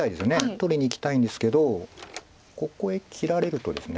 取りにいきたいんですけどここへ切られるとですね